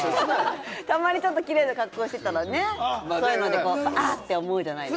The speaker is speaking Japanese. たまに、ちょっとキレイな格好してたらね、そういうのでって思うじゃないですか。